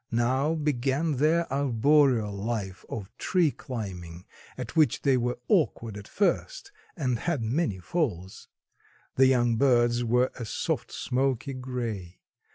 Now began their arboreal life of tree climbing at which they were awkward at first and had many falls. The young birds were a soft smoky gray.